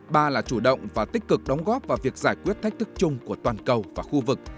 ba là chủ động và tích cực đóng góp vào việc giải quyết thách thức chung của toàn cầu và khu vực